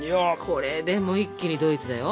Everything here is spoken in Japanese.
これでもう一気にドイツだよ。